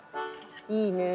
いいねぇ。